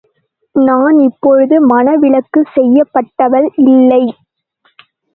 நான் இப்பொழுது மணவிலக்குச் செய்யப்பட்டவள்! இல்லை.